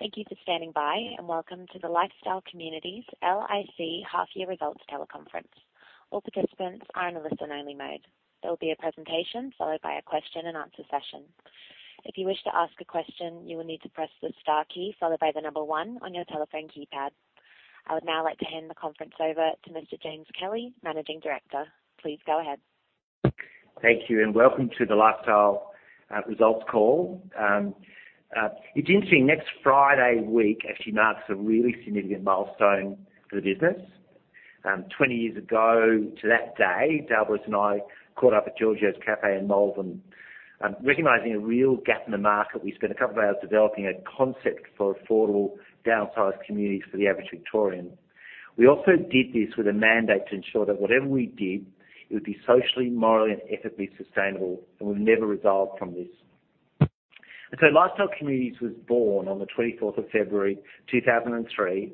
Thank you for standing by, and welcome to the Lifestyle Communities, LIC, half year results teleconference. All participants are in a listen-only mode. There will be a presentation, followed by a question-and-answer session. If you wish to ask a question, you will need to press the star key followed by the number one on your telephone keypad. I would now like to hand the conference over to Mr. James Kelly, Managing Director. Please go ahead. Thank you, welcome to the Lifestyle results call. It's interesting, next Friday week actually marks a really significant milestone for the business. 20 years ago to that day, [Daelbores] and I caught up at Giorgio's Cafe in Malvern. Recognizing a real gap in the market, we spent a couple of hours developing a concept for affordable downsized communities for the average Victorian. We also did this with a mandate to ensure that whatever we did, it would be socially, morally, and ethically sustainable, and we've never resolved from this. Lifestyle Communities was born on the February 24th, 2003,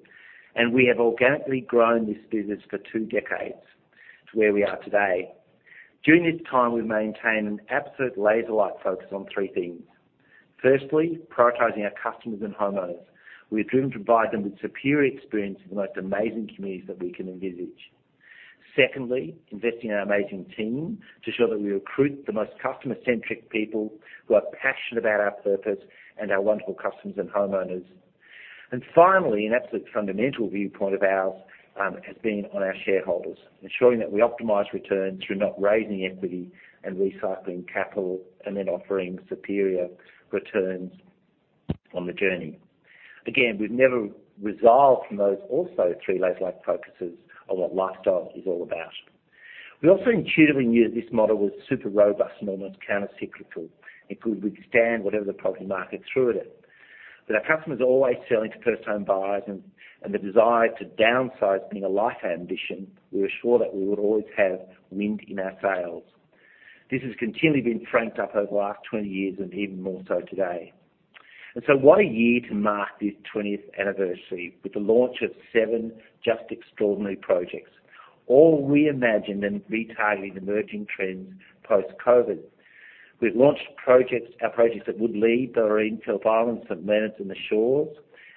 and we have organically grown this business for two decades to where we are today. During this time, we've maintained an absolute laser-like focus on three things. Firstly, prioritizing our customers and homeowners. We are driven to provide them with superior experience in the most amazing communities that we can envisage. Secondly, investing in our amazing team to show that we recruit the most customer-centric people who are passionate about our purpose and our wonderful customers and homeowners. Finally, an absolute fundamental viewpoint of ours has been on our shareholders, ensuring that we optimize returns through not raising equity and recycling capital, offering superior returns on the journey. We've never resolved from those also three laser-like focuses on what lifestyle is all about. We also intuitively knew this model was super robust and almost countercyclical. It could withstand whatever the property market threw at it. With our customers always selling to first-time buyers and the desire to downsize being a life ambition, we were sure that we would always have wind in our sails. This has continually been franked up over the last 20 years and even more so today. What a year to mark this 20th anniversary with the launch of seven just extraordinary projects, all reimagined and retargeting emerging trends post-COVID. We've launched projects, our projects that would lead the Noreen, Phillip Island, St Leonards, and The Shores,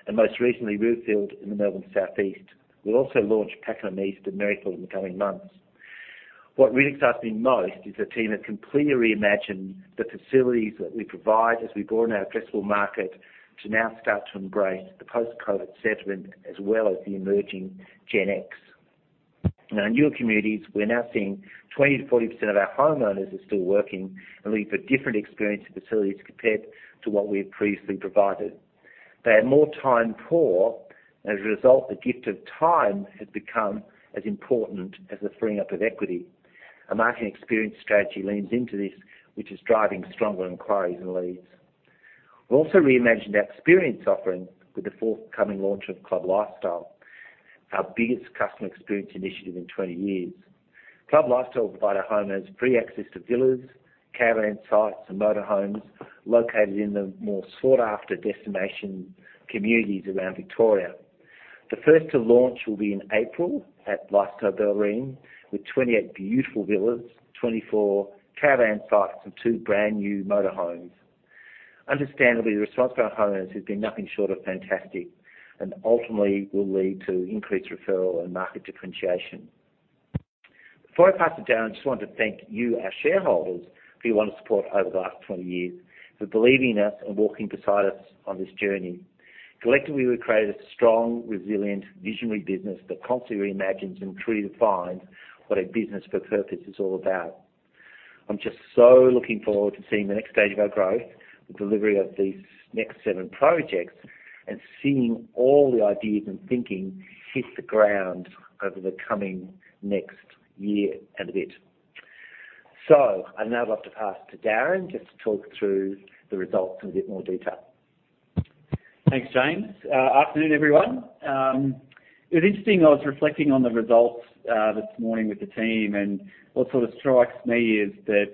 and most recently, Riverfield in the Melbourne southeast. We'll also launch Pakenham East and Merrifield in the coming months. What really excites me most is the team has completely reimagined the facilities that we provide as we broaden our addressable market to now start to embrace the post-COVID settlement, as well as the emerging Gen X. In our newer communities, we're now seeing 20%-40% of our homeowners are still working and looking for different experience and facilities compared to what we had previously provided. They have more time poor, and as a result, the gift of time has become as important as the freeing up of equity. A marketing experience strategy leans into this, which is driving stronger inquiries and leads. We've also reimagined our experience offering with the forthcoming launch of Club Lifestyle, our biggest customer experience initiative in 20 years. Club Lifestyle will provide our homeowners free access to villas, caravan sites, and motor homes located in the more sought-after destination communities around Victoria. The first to launch will be in April at Lifestyle Doreen, with 28 beautiful villas, 24 caravan sites, and two brand-new motor homes. Understandably, the response from our homeowners has been nothing short of fantastic and ultimately will lead to increased referral and market differentiation. Before I pass to Darren, I just wanted to thank you, our shareholders, for your ongoing support over the last 20 years, for believing in us and walking beside us on this journey. Collectively, we've created a strong, resilient, visionary business that constantly reimagines and truly defines what a business for purpose is all about. I'm just so looking forward to seeing the next stage of our growth, the delivery of these next seven projects, and seeing all the ideas and thinking hit the ground over the coming next year and a bit. I'd now like to pass to Darren just to talk through the results in a bit more detail. Thanks, James. Afternoon, everyone. It was interesting, I was reflecting on the results this morning with the team, and what sort of strikes me is that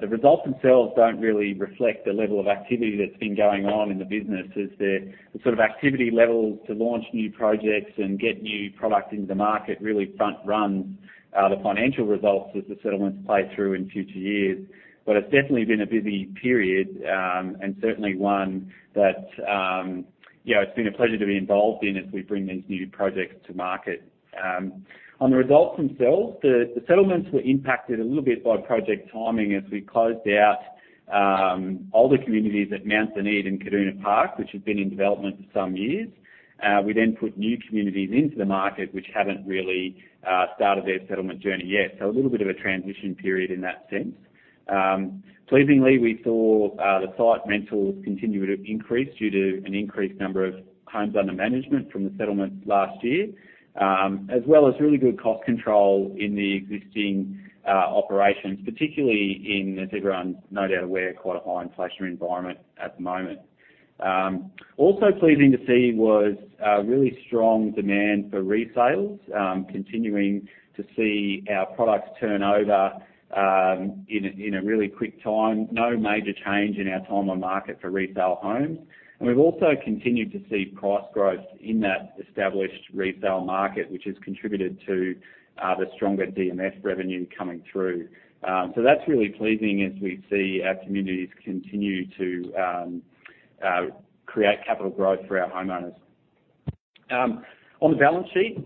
the results themselves don't really reflect the level of activity that's been going on in the business. As the sort of activity levels to launch new projects and get new product into market really front runs the financial results as the settlements play through in future years. It's definitely been a busy period, and certainly one that, yeah, it's been a pleasure to be involved in as we bring these new projects to market. On the results themselves, the settlements were impacted a little bit by project timing as we closed out all the communities at Mount Duneed and Kaduna Park, which had been in development for some years. We put new communities into the market which haven't really started their settlement journey yet. A little bit of a transition period in that sense. Pleasingly, we saw the site rentals continue to increase due to an increased number of homes under management from the settlements last year, as well as really good cost control in the existing operations, particularly in, as everyone's no doubt aware, quite a high inflation environment at the moment. Also pleasing to see was really strong demand for resales, continuing to see our products turn over in a really quick time. No major change in our time on market for resale homes. We've also continued to see price growth in that established resale market, which has contributed to the stronger DMF revenue coming through. That's really pleasing as we see our communities continue to create capital growth for our homeowners. On the balance sheet,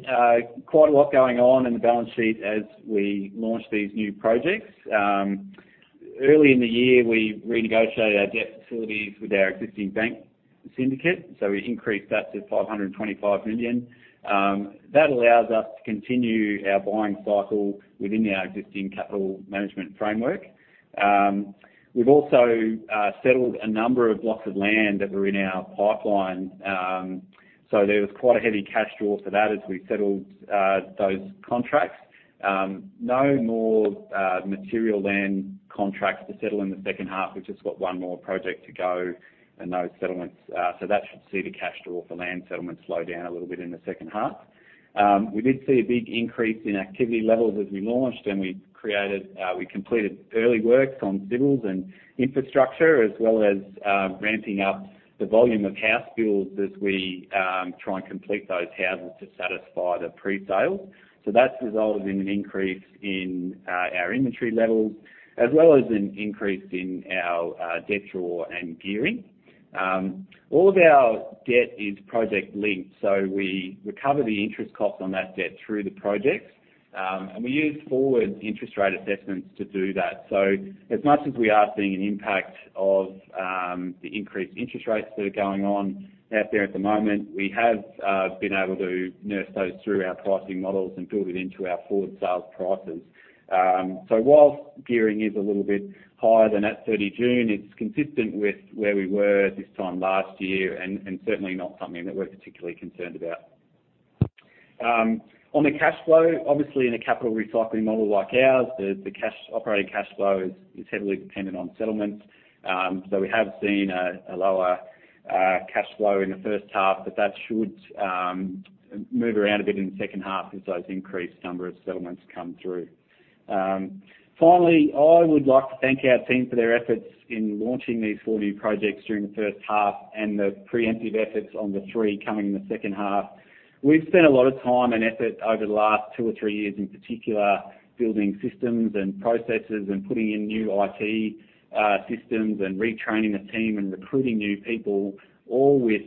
quite a lot going on in the balance sheet as we launch these new projects. Early in the year, we renegotiated our debt facilities with our existing bank syndicate, so we increased that to 525 million. That allows us to continue our buying cycle within our existing capital management framework. We've also settled a number of blocks of land that were in our pipeline. There was quite a heavy cash draw for that as we settled those contracts. No more material land contracts to settle in the second half. We've just got one more project to go in those settlements. That should see the cash draw for land settlements slow down a little bit in the second half. We did see a big increase in activity levels as we launched, and we completed early works on civils and infrastructure, as well as ramping up the volume of house builds as we try and complete those houses to satisfy the pre-sales. That's resulted in an increase in our inventory levels, as well as an increase in our debt draw and gearing. All of our debt is project linked, so we recover the interest cost on that debt through the projects. We use forward interest rate assessments to do that. As much as we are seeing an impact of the increased interest rates that are going on out there at the moment, we have been able to nurse those through our pricing models and build it into our forward sales prices. Whilst gearing is a little bit higher than at June 30, it's consistent with where we were this time last year and certainly not something that we're particularly concerned about. On the cash flow, obviously, in a capital recycling model like ours, the operating cash flow is heavily dependent on settlements. We have seen a lower cash flow in the first half, but that should move around a bit in the second half as those increased number of settlements come through. Finally, I would like to thank our team for their efforts in launching these four new projects during the first half and the preemptive efforts on the three coming in the second half. We've spent a lot of time and effort over the last two or three years, in particular, building systems and processes, and putting in new IT systems, and retraining the team, and recruiting new people, all with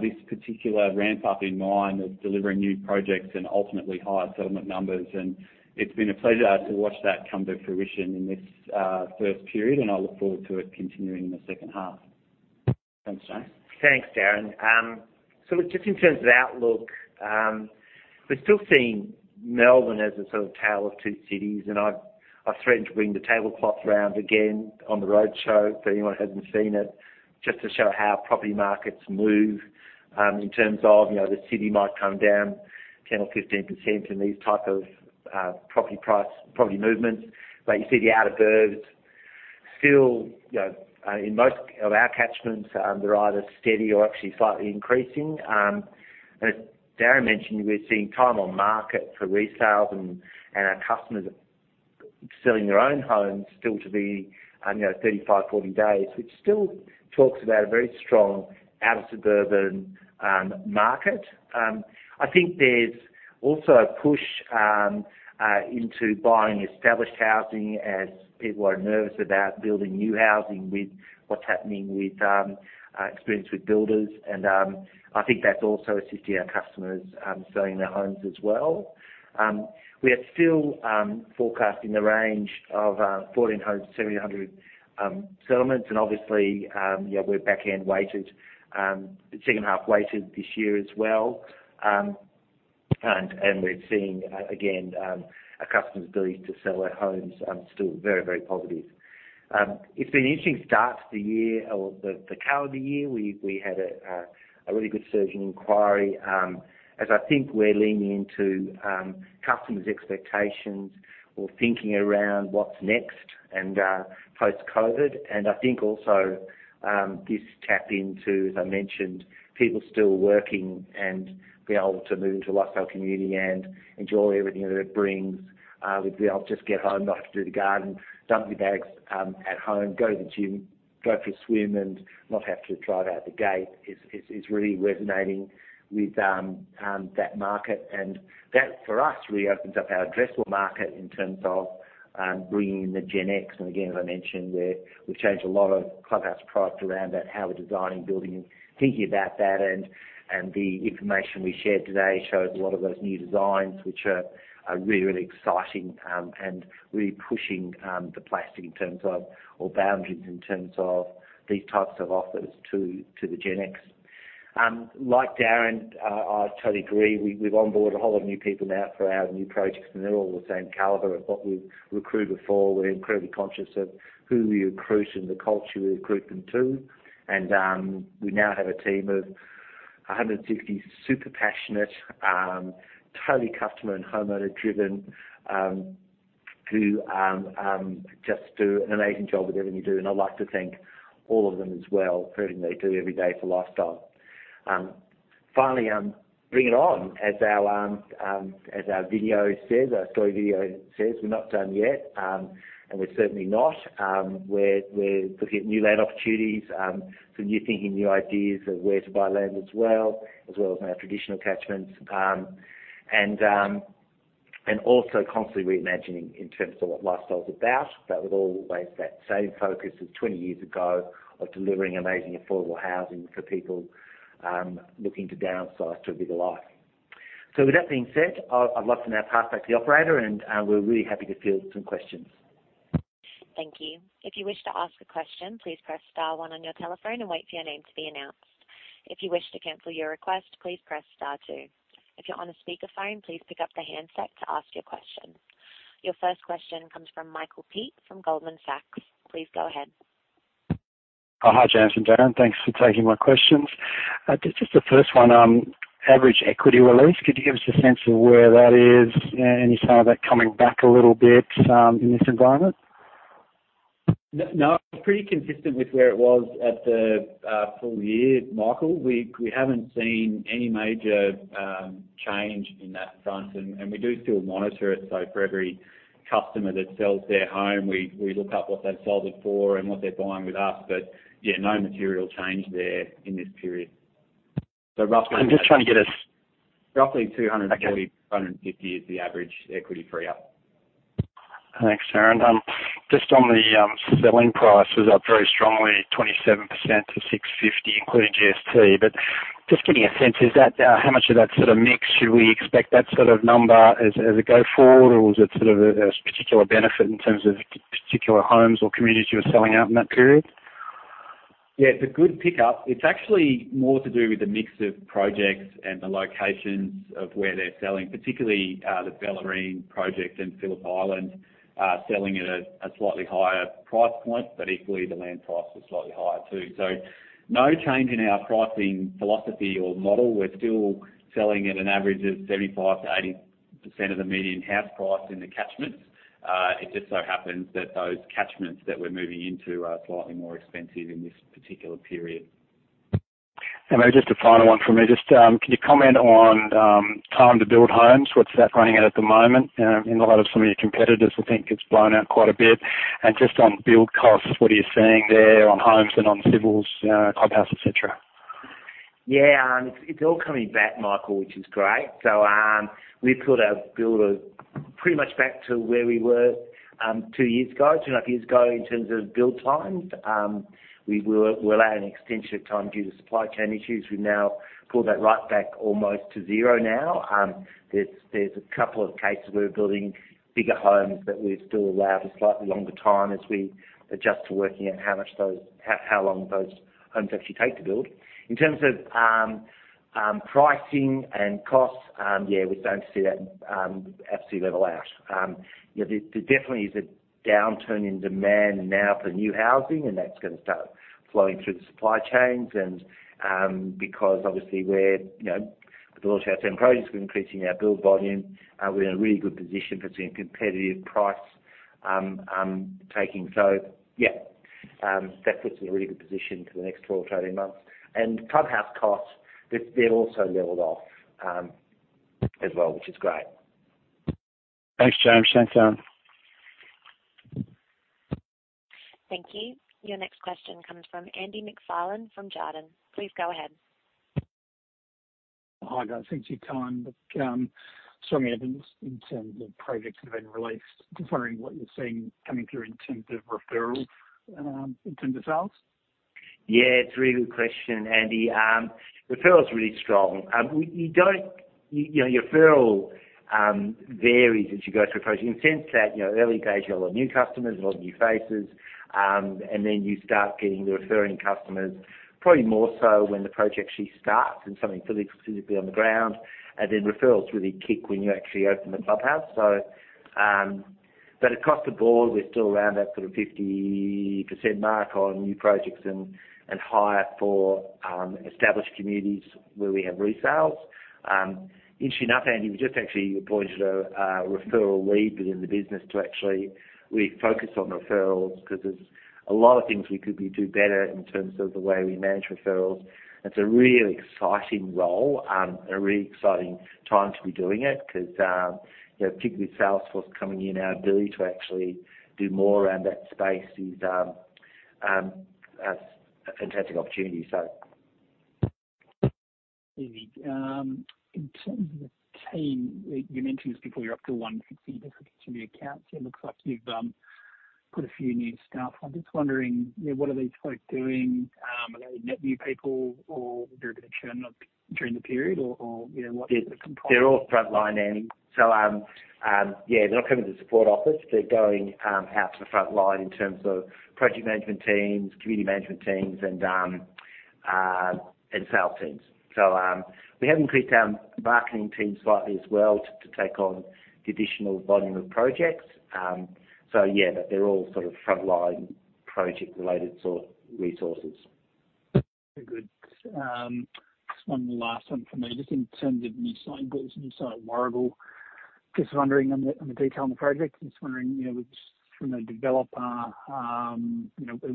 this particular ramp up in mind of delivering new projects and ultimately higher settlement numbers. It's been a pleasure to watch that come to fruition in this first period, and I look forward to it continuing in the second half. Thanks, James. Thanks, Darren. Just in terms of outlook, we're still seeing Melbourne as a sort of tale of two cities, and I've threatened to bring the tablecloth round again on the roadshow for anyone who hasn't seen it, just to show how property markets move, in terms of, you know, the city might come down 10% or 15% in these type of property movements. You see the outer 'burbs still, you know, in most of our catchments, they're either steady or actually slightly increasing. As Darren mentioned, we're seeing time on market for resales and our customers selling their own homes still to be, you know, 35, 40 days, which still talks about a very strong outer suburban market. I think there's also a push into buying established housing as people are nervous about building new housing with what's happening with experience with builders. I think that's also assisting our customers selling their homes as well. We are still forecasting the range of 1,400-1,700 settlements. Obviously, you know, we're back-end weighted, the second half weighted this year as well. We're seeing again, our customers' ability to sell their homes still very, very positive. It's been an interesting start to the year or the calendar year. We had a really good surge in inquiry as I think we're leaning into customers' expectations or thinking around what's next and post-COVID. I think also, this tap into, as I mentioned, people still working and being able to move into a Lifestyle Communities and enjoy everything that it brings. We'll be able to just get home, not have to do the garden, dump your bags at home, go to the gym, go for a swim, and not have to drive out the gate is really resonating with that market. That, for us, reopens up our addressable market in terms of bringing in the Gen X. Again, as I mentioned, we've changed a lot of clubhouse product around about how we're designing buildings, thinking about that. The information we shared today shows a lot of those new designs, which are really, really exciting, and really pushing the boundaries in terms of these types of offers to the Gen X. Like Darren, I totally agree. We've onboard a whole lot of new people now for our new projects, and they're all the same caliber of what we've recruited for. We're incredibly conscious of who we recruit and the culture we recruit them to. We now have a team of 150 super passionate, totally customer and homeowner driven, who just do an amazing job with everything they do. I'd like to thank all of them as well for everything they do every day for Lifestyle. Finally, bring it on. As our, as our video says, our story video says, "We're not done yet," and we're certainly not. We're looking at new land opportunities, some new thinking, new ideas of where to buy land as well, as well as our traditional catchments. Also constantly reimagining in terms of what lifestyle is about. That was always that same focus as 20 years ago of delivering amazing affordable housing for people, looking to downsize to a bigger life. With that being said, I'd like to now pass back to the operator and we're really happy to field some questions. Thank you. If you wish to ask a question, please press star one on your telephone and wait for your name to be announced. If you wish to cancel your request, please press star two. If you're on a speaker phone, please pick up the handset to ask your question. Your first question comes from Michael Peet from Goldman Sachs. Please go ahead. Hi James and Darren. Thanks for taking my questions. Just the first one on average equity release. Could you give us a sense of where that is? Any sign of that coming back a little bit in this environment? No. Pretty consistent with where it was at the full year, Michael. We haven't seen any major change in that front, and we do still monitor it. For every customer that sells their home, we look up what they've sold it for and what they're buying with us. Yeah, no material change there in this period. Roughly. I'm just trying to get. Roughly 240 Okay. 250 is the average equity free up. Thanks, Darren. Just on the selling prices up very strongly, 27% to 650, including GST. Just give me a sense, how much of that sort of mix should we expect that sort of number as a go forward? Or was it sort of a particular benefit in terms of particular homes or communities you were selling out in that period? Yeah, it's a good pickup. It's actually more to do with the mix of projects and the locations of where they're selling, particularly, the Bellarine project and Phillip Island, selling at a slightly higher price point, but equally the land price was slightly higher too. No change in our pricing philosophy or model. We're still selling at an average of 75%-80% of the median house price in the catchments. It just so happens that those catchments that we're moving into are slightly more expensive in this particular period. Then just a final one for me. Just, can you comment on time to build homes? What's that running at at the moment? In the light of some of your competitors, I think it's blown out quite a bit. Just on build costs, what are you seeing there on homes and on civils, clubhouse, et cetera? Yeah, it's all coming back, Michael, which is great. We've put our build pretty much back to where we were two years ago, two and a half years ago in terms of build times. We're allowing extension of time due to supply chain issues. We've now pulled that right back almost to zero now. There's a couple of cases where we're building bigger homes that we've still allowed a slightly longer time as we adjust to working out how long those homes actually take to build. In terms of pricing and costs, yeah, we're starting to see that absolutely level out. You know, there definitely is a downturn in demand now for new housing, and that's gonna start flowing through the supply chains. Because obviously we're, you know, with all of our 10 projects, we're increasing our build volume. We're in a really good position for seeing competitive price taking. That puts us in a really good position for the next 12 or 13 months. Clubhouse costs, they're also leveled off as well, which is great. Thanks, James. Thanks, Darren. Thank you. Your next question comes from Andrew MacFarlane from Jarden. Please go ahead. Hi, guys. Thanks for your time. Strongly evidence in terms of projects that have been released, just wondering what you're seeing coming through in terms of referrals, in terms of sales? Yeah, it's a really good question, Andy. Referral is really strong. You know, your referral varies as you go through a project. You can sense that, you know, early days you have a lot of new customers, a lot of new faces, and then you start getting the referring customers probably more so when the project actually starts and something physically on the ground, and then referrals really kick when you actually open the clubhouse. Across the board, we're still around that sort of 50% mark on new projects and higher for established communities where we have resales. Interestingly enough, Andy, we just actually appointed a referral lead within the business to actually refocus on referrals 'cause there's a lot of things we could do better in terms of the way we manage referrals. It's a really exciting role, a really exciting time to be doing it 'cause, you know, particularly with Salesforce coming in, our ability to actually do more around that space is a fantastic opportunity, so. Easy. In terms of the team, you mentioned this before, you're up to 160 dislocation of your accounts. It looks like you've put a few new staff on. Just wondering, you know, what are these folks doing? Are they net new people or there a bit of churn during the period or, you know, what is the component? They're all frontline, Andy. Yeah, they're not coming to the support office. They're going out to the front line in terms of project management teams, community management teams and sales teams. We have increased our marketing team slightly as well to take on the additional volume of projects. Yeah, but they're all sort of frontline project-related sort resources. Very good. Just one last one from me, just in terms of new site buys, new site at Warragul. Just wondering on the, on the detail on the project. Just wondering, just from a developer,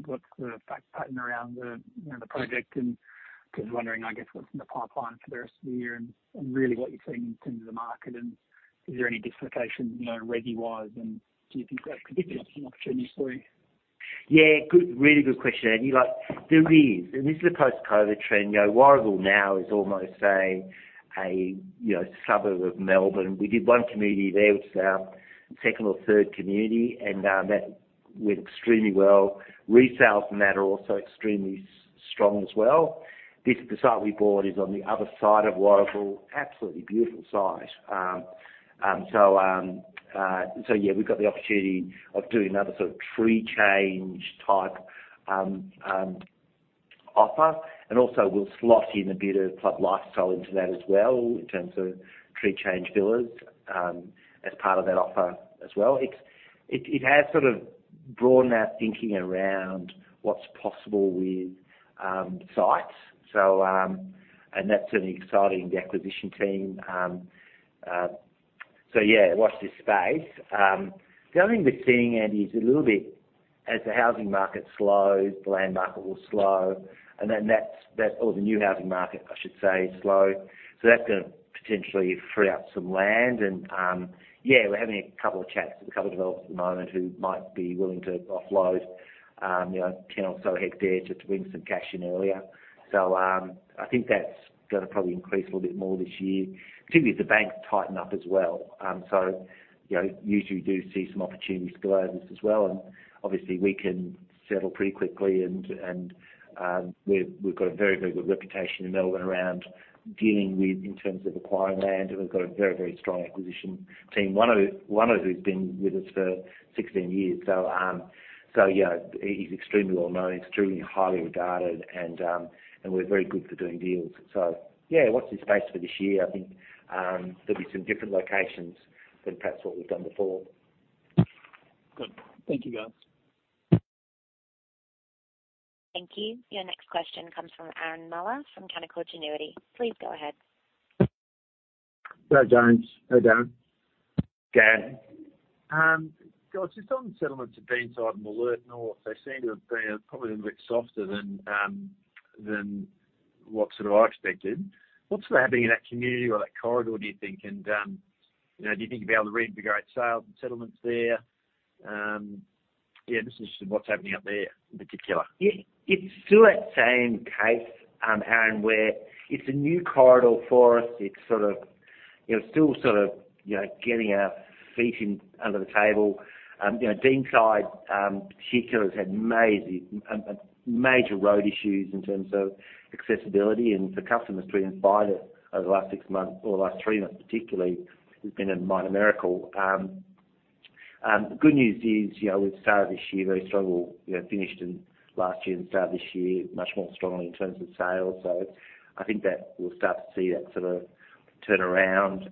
what's the fact pattern around the project and just wondering, I guess, what's in the pipeline for the rest of the year and really what you're seeing in terms of the market, and is there any dislocation, reggie wise, and do you think that could be an opportunity for you? Good, really good question, Andy. There is, and this is a post-COVID trend. You know, Warragul now is almost a, you know, suburb of Melbourne. We did 1 community there, which is our second or third community, and that went extremely well. Resales from that are also extremely strong as well. The site we bought is on the other side of Warragul, absolutely beautiful site. Yeah, we've got the opportunity of doing another sort of tree change type offer. Also we'll slot in a bit of Club Lifestyle into that as well in terms of tree change villas as part of that offer as well. It has sort of broadened our thinking around what's possible with sites. That's certainly exciting the acquisition team. Yeah, watch this space. The other thing we're seeing, Andy, is a little bit as the housing market slows, the land market will slow, and then or the new housing market, I should say, slow. That's gonna potentially free up some land. Yeah, we're having a couple of chats with a couple of developers at the moment who might be willing to offload, you know, 10 or so hectares just to bring some cash in earlier. I think that's gonna probably increase a little bit more this year, particularly as the banks tighten up as well. You know, usually we do see some opportunities to grow this as well, and obviously we can settle pretty quickly and we've got a very, very good reputation in Melbourne around dealing with in terms of acquiring land, and we've got a very, very strong acquisition team. One of who's been with us for 16 years. Yeah, he's extremely well known, extremely highly regarded, and we're very good for doing deals. Yeah, watch this space for this year. I think there'll be some different locations than perhaps what we've done before. Good. Thank you, guys. Thank you. Your next question comes from Aaron Muller from Canaccord Genuity. Please go ahead. Hi, James. Hi, Dan. Aaron. Guys, just on settlements at Deanside and Melbourne North, they seem to have been probably a little bit softer than what sort of I expected. What's happening in that community or that corridor, do you think? You know, do you think you'll be able to reinvigorate sales and settlements there? Yeah, just interested in what's happening out there in particular. It's still that same case, Aaron, where it's a new corridor for us. It's sort of, you know, still sort of, you know, getting our feet in under the table. You know, Deanside particularly has had major road issues in terms of accessibility and for customers to even find it over the last six months or the last three months particularly has been a minor miracle. The good news is, you know, we've started this year very strong. We'll, you know, finished in last year and start this year much more strongly in terms of sales. I think that we'll start to see that sort of turn around.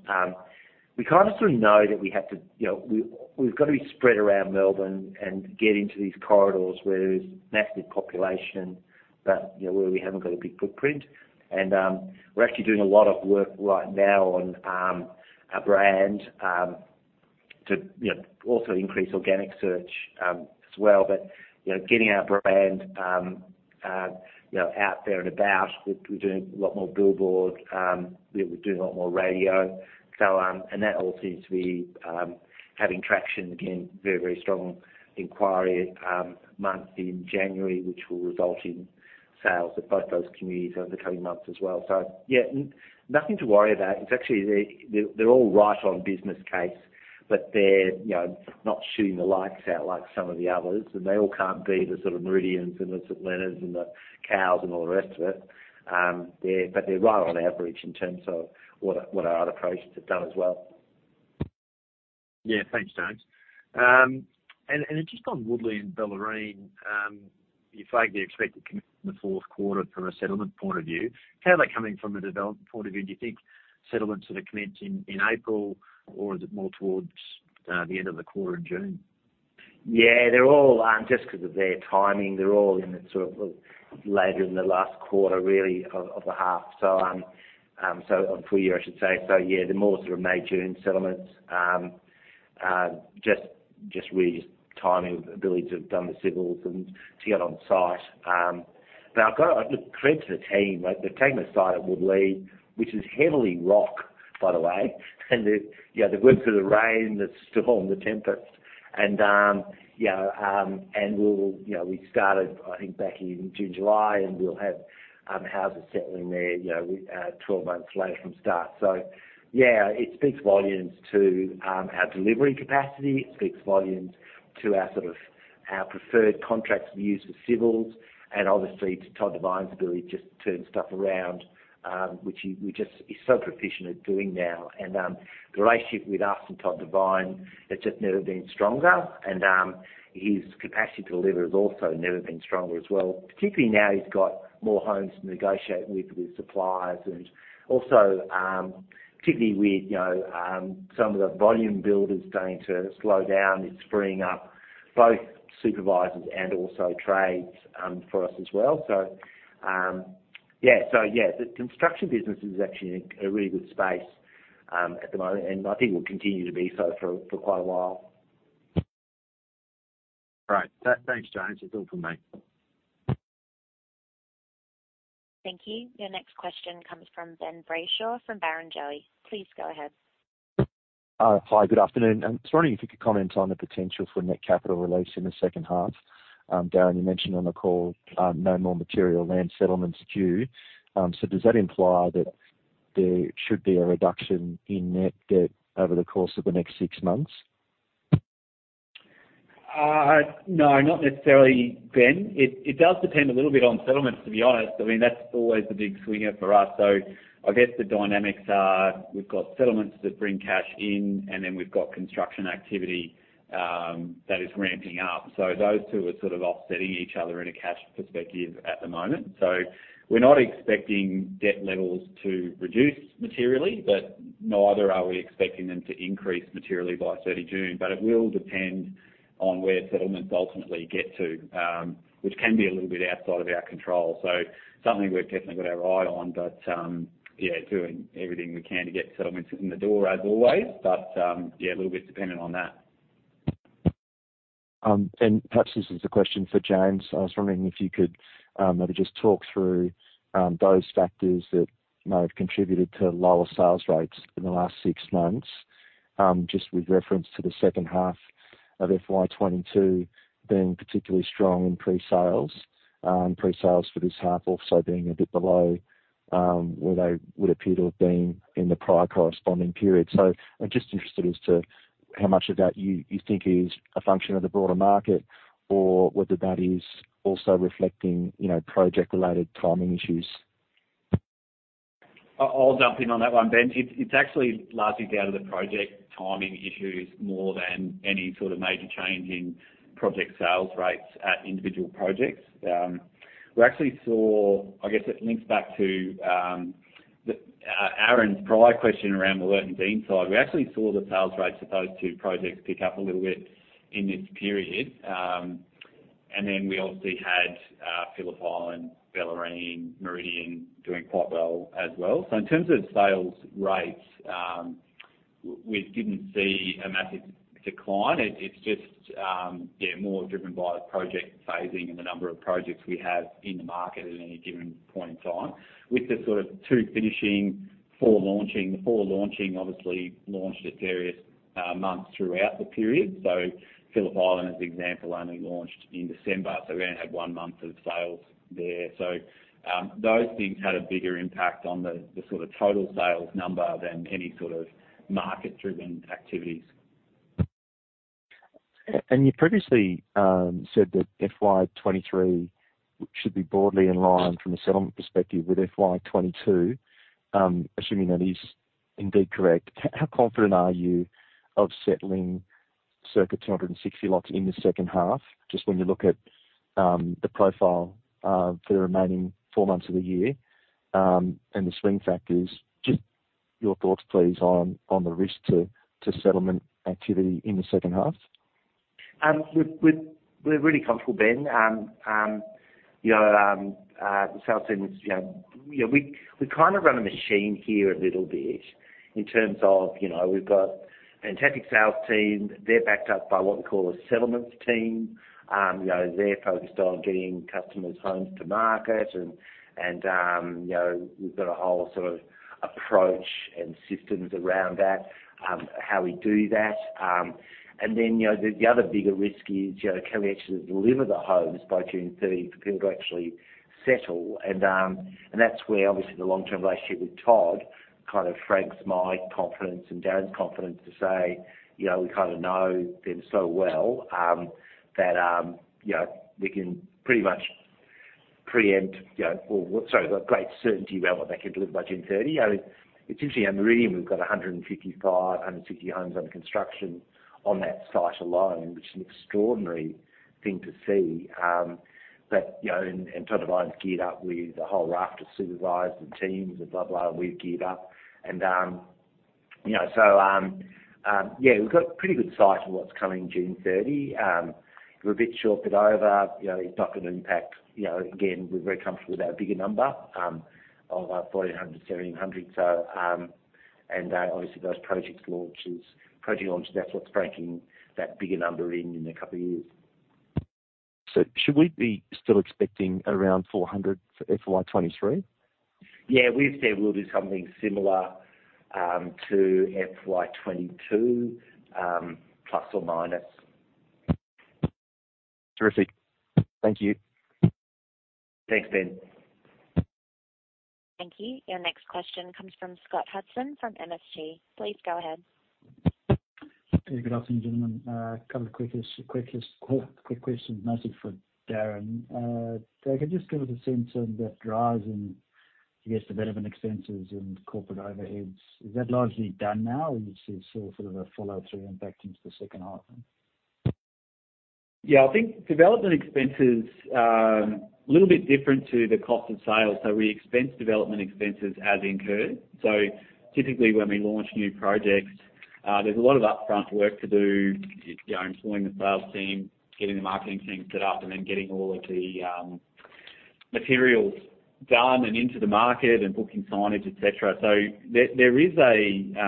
We kind of sort of know that we have to, you know, we've got to be spread around Melbourne and get into these corridors where there's massive population, but you know, where we haven't got a big footprint. We're actually doing a lot of work right now on our brand to, you know, also increase organic search as well. You know, getting our brand, you know, out there and about with doing a lot more billboard, you know, we're doing a lot more radio. That all seems to be having traction. Again, very, very strong inquiry month in January, which will result in sales at both those communities over the coming months as well. Yeah, nothing to worry about. It's actually, they're all right on business case, but they're, you know, not shooting the lights out like some of the others. They all can't be the sort of Meridians and the St Leonards and the Cowes and all the rest of it. They're right on average in terms of what our, what our other precincts have done as well. Yeah. Thanks, James. Just on Woodlea and Bellarine, you flag the expected commitment in the fourth quarter from a settlement point of view. How are they coming from a development point of view? Do you think settlements are gonna commence in April, or is it more towards the end of the quarter in June? Yeah, they're all, just 'cause of their timing, they're all in it sort of later in the last quarter really of the half. On full year, I should say. Yeah, they're more sort of May, June settlements. Just really just timing ability to have done the civils and to get on site. Look, credit to the team, right? The team that started Woodlea, which is heavily rock by the way, and, you know, they've worked through the rain, the storm, the tempest and, you know, and we'll, you know, we started I think back in June, July and we'll have houses settling there, you know, 12 months later from start. Yeah, it speaks volumes to our delivery capacity. It speaks volumes to our sort of our preferred contracts we use for civils and obviously to Todd Devine's ability to just turn stuff around, which he's so proficient at doing now. The relationship with us and Todd Devine, it's just never been stronger and his capacity to deliver has also never been stronger as well, particularly now he's got more homes to negotiate with suppliers and also, particularly with, you know, some of the volume builders starting to slow down, it's freeing up both supervisors and also trades for us as well. Yeah. So yeah, the construction business is actually in a really good space at the moment, and I think will continue to be so for quite a while. All right. Thanks, James. That's all from me. Thank you. Your next question comes from Ben Brayshaw from Barrenjoey. Please go ahead. Hi, good afternoon. I was wondering if you could comment on the potential for net capital release in the second half. Darren, you mentioned on the call, no more material land settlements due. Does that imply that there should be a reduction in net debt over the course of the next six months? No, not necessarily, Ben. It does depend a little bit on settlements, to be honest. I mean, that's always the big swinger for us. I guess the dynamics are, we've got settlements that bring cash in, and then we've got construction activity that is ramping up. Those two are sort of offsetting each other in a cash perspective at the moment. We're not expecting debt levels to reduce materially, but neither are we expecting them to increase materially by June 30. It will depend on where settlements ultimately get to, which can be a little bit outside of our control. Something we've definitely got our eye on, but, yeah, doing everything we can to get settlements in the door as always. Yeah, a little bit dependent on that. Perhaps this is a question for James. I was wondering if you could, maybe just talk through those factors that might have contributed to lower sales rates in the last six months, just with reference to the second half of FY 2022 being particularly strong in pre-sales, pre-sales for this half also being a bit below, where they would appear to have been in the prior corresponding period. I'm just interested as to how much of that you think is a function of the broader market or whether that is also reflecting, you know, project-related timing issues. I'll jump in on that one, Ben. It's actually largely down to the project timing issues more than any sort of major change in project sales rates at individual projects. I guess it links back to the Aaron prior question around the alert and dean side. We actually saw the sales rates for those two projects pick up a little bit in this period. We obviously had Phillip Island, Bellarine, Meridian doing quite well as well. In terms of sales rates, we didn't see a massive decline. It's just yeah, more driven by project phasing and the number of projects we have in the market at any given point in time. With the sort of two finishing, four launching, the four launching obviously launched at various months throughout the period. Phillip Island, as an example, only launched in December, so we only had 1 month of sales there. Those things had a bigger impact on the sort of total sales number than any sort of market-driven activities. You previously said that FY 2023 should be broadly in line from a settlement perspective with FY 2022. Assuming that is indeed correct, how confident are you of settling circa 260 lots in the second half? Just when you look at the profile for the remaining four months of the year and the swing factors. Just your thoughts, please, on the risk to settlement activity in the second half. We're really comfortable, Ben. you know, the sales team is, you know, we kind of run a machine here a little bit in terms of, you know, we've got a fantastic sales team. They're backed up by what we call a settlements team. you know, they're focused on getting customers' homes to market and, you know, we've got a whole sort of approach and systems around that, how we do that. Then, you know, the other bigger risk is, you know, can we actually deliver the homes by June 30 for people to actually settle? That's where obviously the long-term relationship with Todd kind of strengths my confidence and Darren's confidence to say, you know, we kind of know them so well, that, you know, we can pretty much preempt, you know, or got great certainty about what they can deliver by June 30. I mean, it's interesting at Meridian, we've got 155, 160 homes under construction on that site alone, which is an extraordinary thing to see. You know, and Todd Devine's geared up with a whole raft of supervisors and teams and blah, blah. We've geared up and, you know. Yeah, we've got pretty good sight of what's coming June 30. We're a bit short, but over, you know, it's not going to impact. You know, again, we're very comfortable with our bigger number, 1,400, 1,700. Obviously those project launches, that's what's breaking that bigger number in a couple of years. Should we be still expecting around 400 for FY 2023? Yeah. We've said we'll do something similar to FY 2022 plus or minus. Terrific. Thank you. Thanks, Ben. Thank you. Your next question comes from Scott Hudson from MST. Please go ahead. Hey, good afternoon, gentlemen. A couple of quick questions, mostly for Darren. If you could just give us a sense on that rise in, I guess, development expenses and corporate overheads. Is that largely done now, or you see sort of a follow-through impact into the second half then? I think development expenses are a little bit different to the cost of sales. We expense development expenses as incurred. Typically when we launch new projects, there's a lot of upfront work to do, you know, employing the sales team, getting the marketing team set up, and then getting all of the materials done and into the market and booking signage, et cetera. There is a,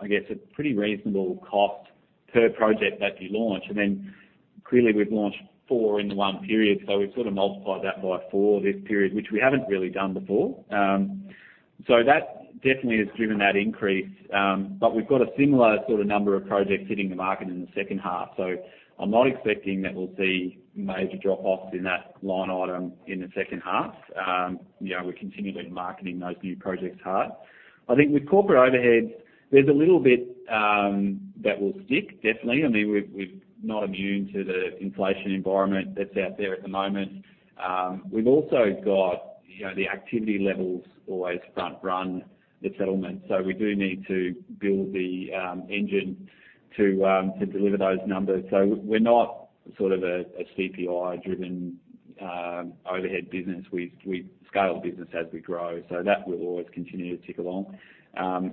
I guess a pretty reasonable cost per project that you launch. Clearly, we've launched four in one period, so we've sort of multiplied that by four this period, which we haven't really done before. That definitely has driven that increase. We've got a similar sort of number of projects hitting the market in the second half, so I'm not expecting that we'll see major drop-offs in that line item in the second half. You know, we're continually marketing those new projects hard. I think with corporate overheads, there's a little bit that will stick, definitely. I mean, we're not immune to the inflation environment that's out there at the moment. We've also got, you know, the activity levels always front-run the settlement, so we do need to build the engine to deliver those numbers. We're not sort of a CPI-driven overhead business. We scale the business as we grow, so that will always continue to tick along.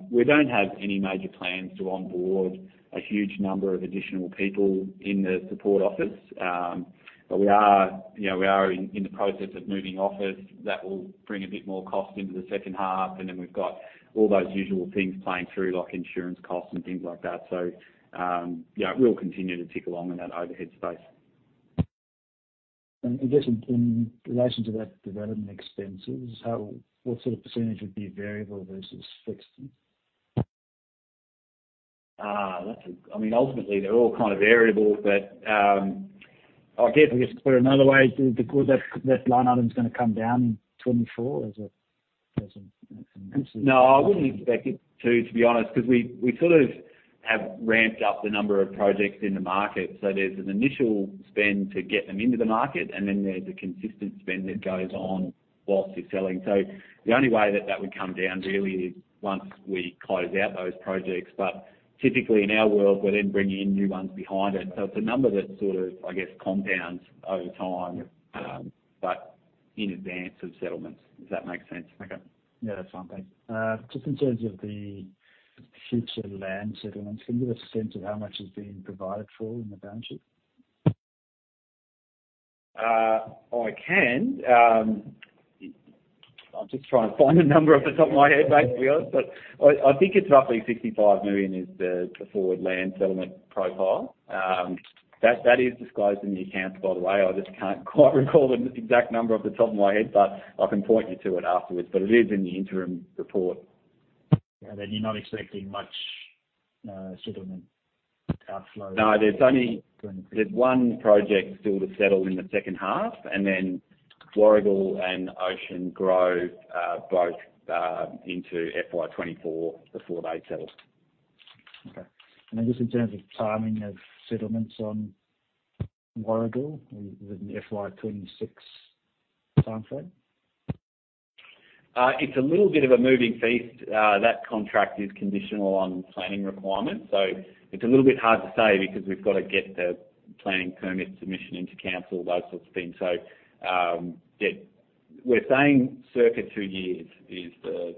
We don't have any major plans to onboard a huge number of additional people in the support office. We are, you know, we are in the process of moving office. That will bring a bit more cost into the second half, and then we've got all those usual things playing through, like insurance costs and things like that. It will continue to tick along in that overhead space. I guess in relation to that development expenses, what sort of percentage would be variable versus fixed? I mean, ultimately, they're all kind of variable, but. I guess, just to put it another way, that line item's gonna come down in 2024 as a. No, I wouldn't expect it to be honest, 'cause we sort of have ramped up the number of projects in the market. There's an initial spend to get them into the market, and then there's a consistent spend that goes on while you're selling. The only way that that would come down really is once we close out those projects. Typically, in our world, we're then bringing in new ones behind it. It's a number that sort of, I guess, compounds over time, but in advance of settlements. Does that make sense? Okay. Yeah, that's fine. Thanks. Just in terms of the future land settlements, can you give a sense of how much is being provided for in the balance sheet? I can. I'm just trying to find the number off the top of my head, mate, to be honest. I think it's roughly 65 million is the forward land settlement profile. That is disclosed in the accounts, by the way. I just can't quite recall the exact number off the top of my head, but I can point you to it afterwards. It is in the interim report. Yeah. You're not expecting much, settlement outflows. No. There's only one project still to settle in the second half, and then Warragul and Ocean Grove, both into FY 2024 before they settle. Okay. Then just in terms of timing of settlements on Warragul, is it an FY 2026 timeframe? It's a little bit of a moving feast. That contract is conditional on planning requirements, so it's a little bit hard to say because we've got to get the planning permit submission into council, those sorts of things. Yeah, we're saying circa two years is the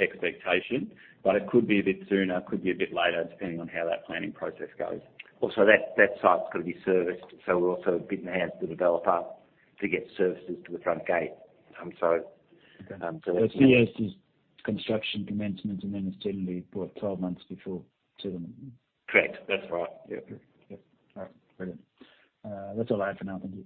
expectation, but it could be a bit sooner, could be a bit later, depending on how that planning process goes. Also, that site's got to be serviced, we're also bitten the hands of the developer to get services to the front gate. CS is construction commencement, and then it's generally, what, 12 months before settlement? Correct. That's right. Yeah. Okay. Yep. All right. Brilliant. That's all I have for now. Thank you.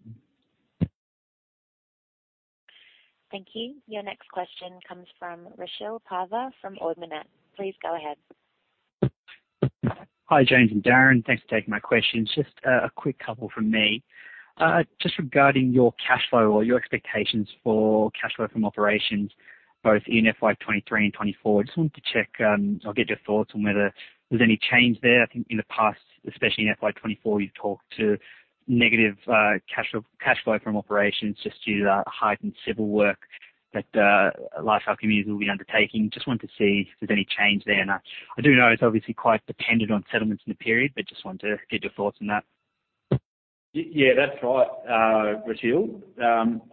Thank you. Your next question comes from Rushil Paiva from Ord Minnett. Please go ahead. Hi, James and Darren. Thanks for taking my questions. Just a quick couple from me. Just regarding your cash flow or your expectations for cash flow from operations, both in FY 2023 and FY 2024. Just wanted to check or get your thoughts on whether there's any change there. I think in the past, especially in FY 2024, you've talked to negative cash flow from operations just due to the heightened civil work that Lifestyle Communities will be undertaking. Just wanted to see if there's any change there. I do know it's obviously quite dependent on settlements in the period, but just wanted to get your thoughts on that. Yeah, that's right, Rushil.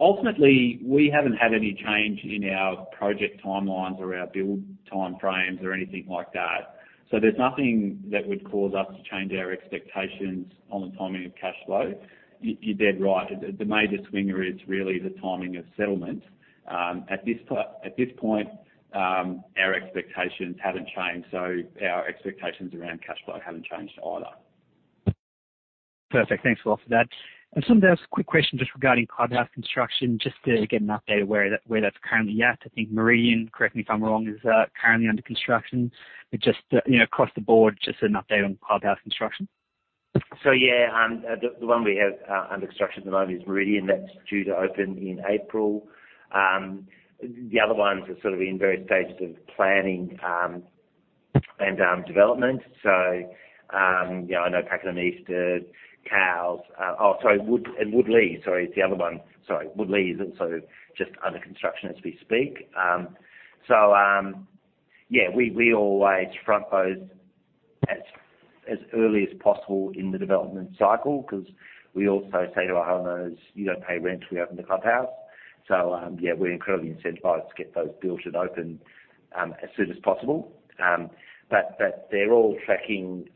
Ultimately, we haven't had any change in our project timelines or our build timeframes or anything like that. There's nothing that would cause us to change our expectations on the timing of cash flow. You're dead right. The major swinger is really the timing of settlement. At this point, our expectations haven't changed, our expectations around cash flow haven't changed either. Perfect. Thanks a lot for that. I just wanted to ask a quick question just regarding clubhouse construction, just to get an update of where that's currently at. I think Meridian, correct me if I'm wrong, is currently under construction. Just, you know, across the board, just an update on clubhouse construction. Yeah, the one we have under construction at the moment is Meridian. That's due to open in April. The other ones are sort of in various stages of planning and development. You know, I know Pakenham East, Cowes, and Woodlea is the other one. Woodlea is also just under construction as we speak. Yeah, we always front those as early as possible in the development cycle because we also say to our homeowners, "You don't pay rent till we open the clubhouse." Yeah, we're incredibly incentivized to get those built and open as soon as possible. But they're all tracking.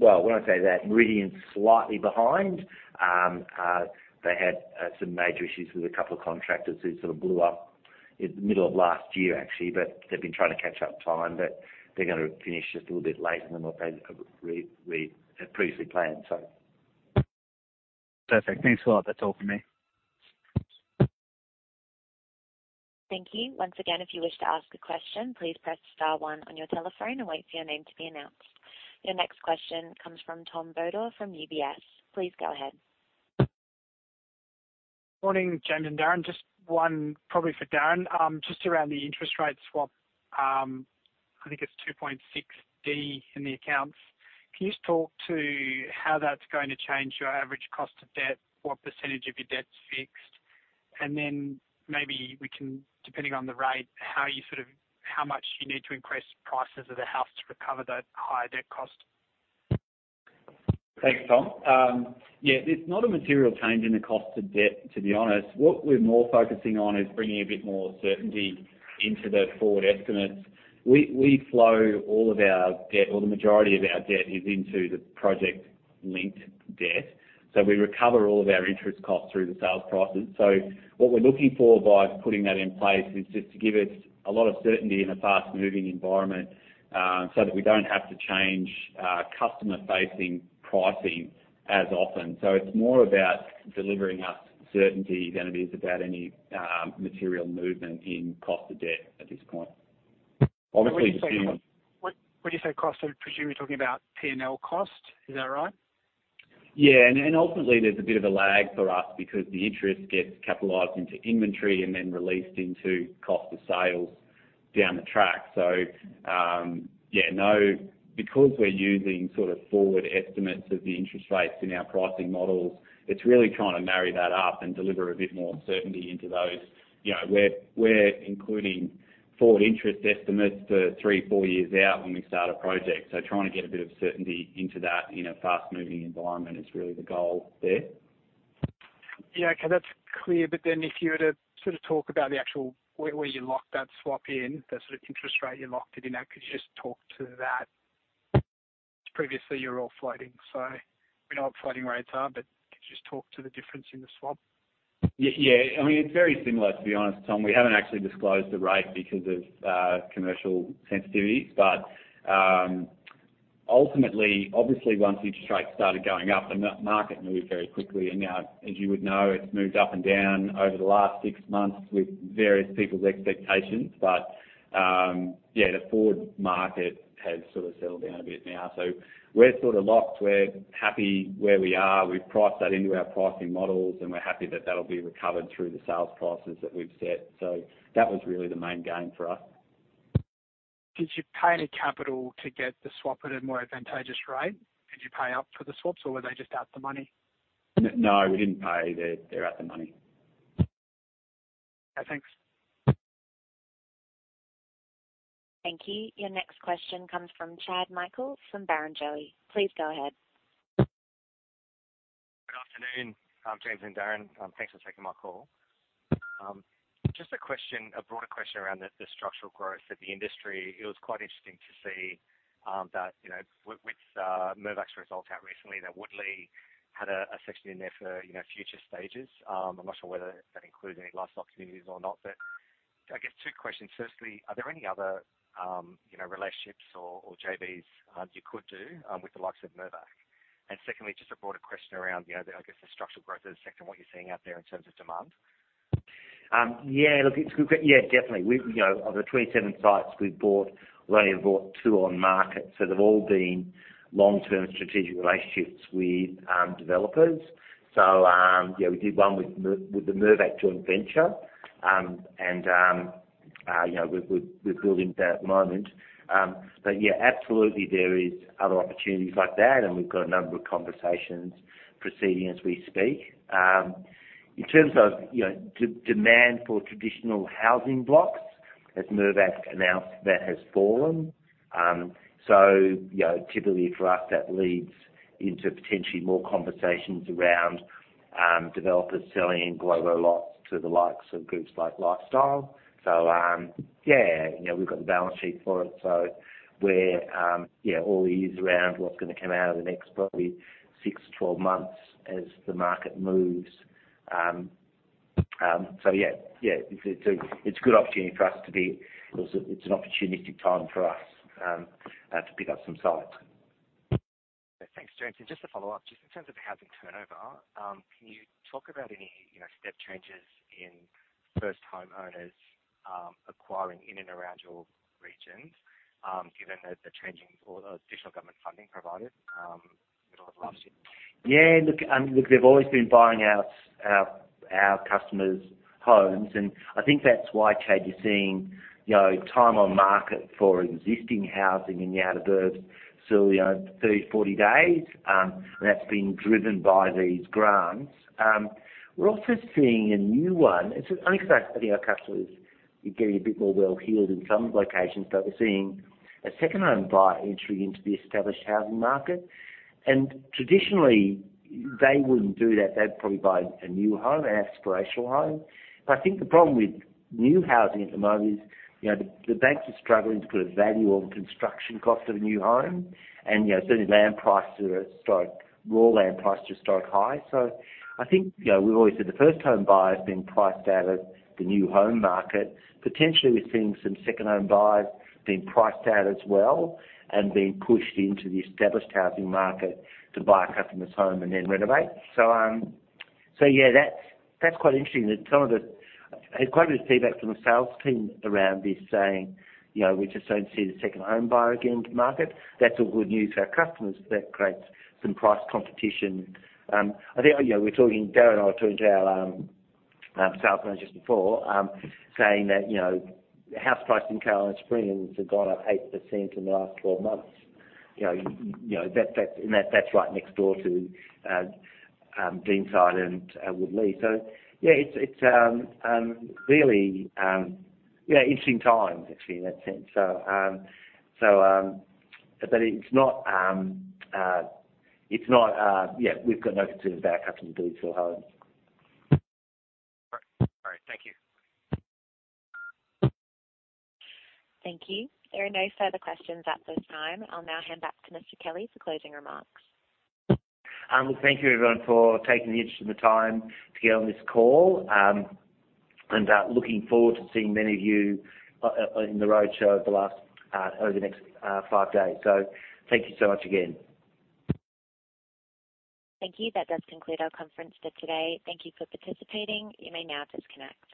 Well, when I say that, Meridian's slightly behind. They had some major issues with a couple of contractors who sort of blew up In the middle of last year actually, but they've been trying to catch up time, but they're gonna finish just a little bit later than what they had previously planned, so. Perfect. Thanks a lot. That's all for me. Thank you. Once again, if you wish to ask a question, please press star one on your telephone and wait for your name to be announced. Your next question comes from Tom Bodor from UBS. Please go ahead. Morning, James and Darren. Just one probably for Darren. Just around the interest rate swap. I think it's 2.6D in the accounts. Can you just talk to how that's going to change your average cost of debt? What percentage of your debt's fixed? Then maybe we can, depending on the rate, how you sort of, how much you need to increase prices of the house to recover that higher debt cost. Thanks, Tom. Yeah, there's not a material change in the cost of debt, to be honest. What we're more focusing on is bringing a bit more certainty into the forward estimates. We flow all of our debt or the majority of our debt is into the project-linked debt. We recover all of our interest costs through the sales prices. What we're looking for by putting that in place is just to give us a lot of certainty in a fast-moving environment, so that we don't have to change our customer-facing pricing as often. It's more about delivering us certainty than it is about any material movement in cost of debt at this point. Obviously, if you. When you say cost, presumably you're talking about P&L cost. Is that right? Yeah. Ultimately, there's a bit of a lag for us because the interest gets capitalized into inventory and then released into cost of sales down the track. Yeah, no. Because we're using sort of forward estimates of the interest rates in our pricing models, it's really trying to marry that up and deliver a bit more certainty into those. You know, we're including forward interest estimates to three, four years out when we start a project. Trying to get a bit of certainty into that in a fast-moving environment is really the goal there. Yeah, okay, that's clear. If you were to sort of talk about the actual where you lock that swap in, the sort of interest rate you locked it in at, could you just talk to that? Previously, you were all floating. We know what floating rates are, but could you just talk to the difference in the swap? Yeah. I mean, it's very similar, to be honest, Tom Bodor. We haven't actually disclosed the rate because of commercial sensitivity. Ultimately, obviously, once interest rates started going up, the market moved very quickly. Now, as you would know, it's moved up and down over the last six months with various people's expectations. Yeah, the forward market has sort of settled down a bit now. We're sort of locked. We're happy where we are. We've priced that into our pricing models, and we're happy that that'll be recovered through the sales prices that we've set. That was really the main gain for us. Did you pay any capital to get the swap at a more advantageous rate? Did you pay up for the swaps or were they just out of the money? No, we didn't pay. They're out of the money. Okay, thanks. Thank you. Your next question comes from Chad Mikhael, from Barrenjoey. Please go ahead. Good afternoon, James and Darren. Thanks for taking my call. Just a question, a broader question around the structural growth of the industry. It was quite interesting to see that, you know, with Mirvac's results out recently, that Woodlea had a section in there for, you know, future stages. I'm not sure whether that includes any Lifestyle Communities or not. I guess two questions. Firstly, are there any other, you know, relationships or JVs you could do with the likes of Mirvac? Secondly, just a broader question around, you know, the, I guess, the structural growth of the sector and what you're seeing out there in terms of demand. Yeah, look, definitely. You know, of the 27 sites we've bought, we've only bought two on market. They've all been long-term strategic relationships with developers. Yeah, we did one with the Mirvac joint venture. You know, we're building that at the moment. Yeah, absolutely, there is other opportunities like that, and we've got a number of conversations proceeding as we speak. In terms of, you know, de-demand for traditional housing blocks, as Mirvac announced, that has fallen. You know, typically for us, that leads into potentially more conversations around developers selling global lots to the likes of groups like Lifestyle. Yeah. You know, we've got the balance sheet for it. We're, yeah, all ears around what's gonna come out of the next probably six to 12 months as the market moves. Yeah. It's a good opportunity for us. It's an opportunistic time for us to pick up some sites. Thanks, James. Just to follow up, just in terms of housing turnover, can you talk about any, you know, step changes in first homeowners, acquiring in and around your regions, given the changing or additional government funding providers, over the last year? Yeah. Look, look, they've always been buying out our customers' homes, and I think that's why, Chad, you're seeing, you know, time on market for existing housing in the outer suburbs. You know, 30, 40 days, and that's been driven by these grants. We're also seeing a new one. It's an unexpected. I think our customers are getting a bit more well-heeled in some locations, but we're seeing a second home buyer entering into the established housing market. Traditionally, they wouldn't do that. They'd probably buy a new home, an aspirational home. I think the problem with new housing at the moment is, you know, the banks are struggling to put a value on the construction cost of a new home. You know, certainly raw land prices are at historic highs. I think, you know, we've always said the first home buyer has been priced out of the new home market. Potentially, we're seeing some second home buyers being priced out as well and being pushed into the established housing market to buy a customer's home and then renovate. That's quite interesting that some of the I had quite a bit of feedback from the sales team around this saying, you know, we just don't see the second home buyer getting to market. That's all good news for our customers. That creates some price competition. I think, you know, we're talking, Darren and I were talking to our sales managers before, saying that, you know, house prices in Caroline Springs have gone up 8% in the last 12 months. You know, you know, that's, and that's right next door to Deanside and Woodlea. Yeah, it's really, yeah, interesting times actually in that sense. But it's not. Yeah, we've got no concerns about our customers building fuel homes. All right. Thank you. Thank you. There are no further questions at this time. I'll now hand back to Mr. Kelly for closing remarks. Thank you everyone for taking the interest and the time to get on this call. Looking forward to seeing many of you in the roadshow over the next five days. Thank you so much again. Thank you. That does conclude our conference for today. Thank you for participating. You may now disconnect.